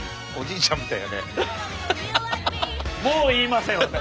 もう言いません私。